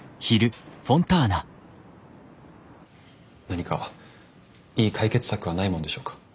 何かいい解決策はないもんでしょうか。